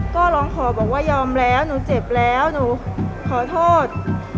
ก็ร้องขอบอกว่ายอมแล้วหนูเจ็บแล้วหนูขอโทษ